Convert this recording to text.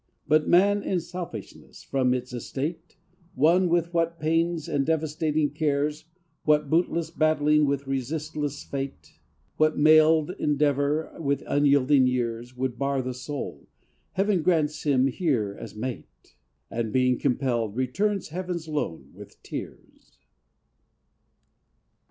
But man, in selfishness, from its estate, Won with what pains and devastating cares, What bootless battling with resistless fate, What mailed endeavor with unyielding years, Would bar the soul, Heaven grants him here as mate, And being compelled, returns Heaven's loan with tears.